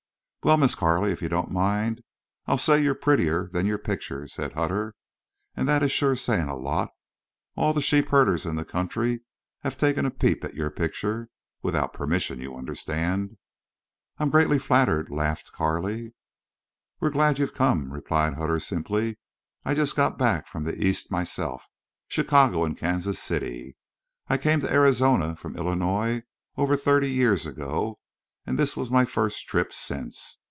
"Well, Miss Carley, if you don't mind, I'll say you're prettier than your picture," said Hutter. "An' that is shore sayin' a lot. All the sheep herders in the country have taken a peep at your picture. Without permission, you understand." "I'm greatly flattered," laughed Carley. "We're glad you've come," replied Hutter, simply. "I just got back from the East myself. Chicago an' Kansas City. I came to Arizona from Illinois over thirty years ago. An' this was my first trip since.